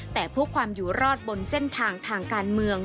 แต่เพื่อความอยู่รอดบนเส้นทางทางการเมือง